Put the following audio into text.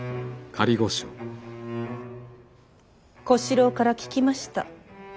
小四郎から聞きました。